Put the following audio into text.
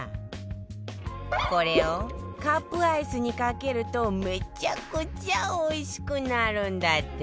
これをカップアイスにかけるとめちゃくちゃおいしくなるんだって